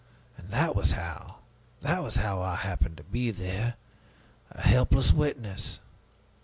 And that was how that was how I happened to be there, a helpless witness.